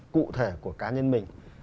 cụ thể của cá nhân mình